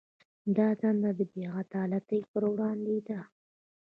دا دنده د بې عدالتۍ پر وړاندې ده.